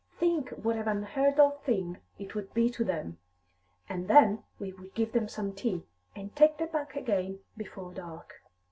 Think what an unheard of thing it would be to them! And then we would give them some tea, and take them back again before dark."